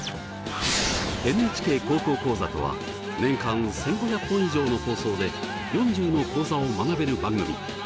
「ＮＨＫ高校講座」とは年間１，５００本以上の放送で４０の講座を学べる番組。